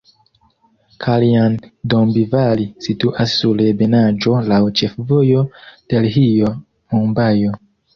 Kaljan-Dombivali situas sur ebenaĵo laŭ ĉefvojo Delhio-Mumbajo.